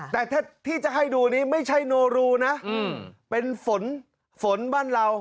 แต่ถ้าที่จะให้ดูนี้ไม่ใช่โนรูนะเป็นฝนฝนบ้านเรา